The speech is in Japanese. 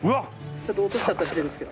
ちょっと落としちゃったりしてるんですけど。